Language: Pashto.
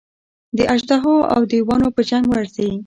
د اژدها او دېوانو په جنګ ورځي.